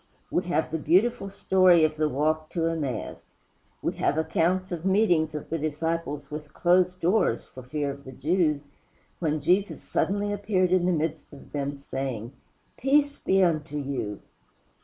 We have the beautiful story of the walk to Emmaus. We have accounts of meetings of the disciples with closed doors, for fear of the Jews, when Jesus suddenly appeared in the midst of them, saying, "Peace be unto you!"